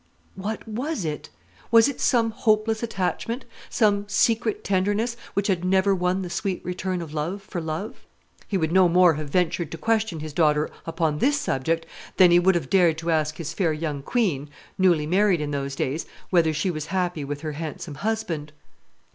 What was it? Was it some hopeless attachment, some secret tenderness, which had never won the sweet return of love for love? He would no more have ventured to question his daughter upon this subject than he would have dared to ask his fair young Queen, newly married in those days, whether she was happy with her handsome husband.